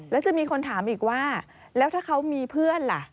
แล้วจะมีคนถามอีกว่าแล้วถ้าเขามีเพื่อนล่ะ